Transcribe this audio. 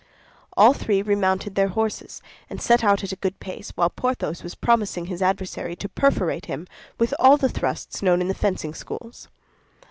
All three remounted their horses, and set out at a good pace, while Porthos was promising his adversary to perforate him with all the thrusts known in the fencing schools.